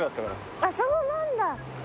あっそうなんだ。